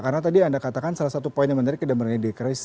karena tadi anda katakan salah satu poin yang menarik